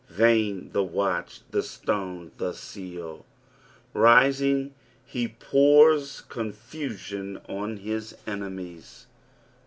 Vain the watch, the stone, the seal I Rising he pours confusion on his enemies.